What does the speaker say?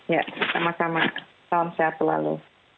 ya sama sama salam sehat selalu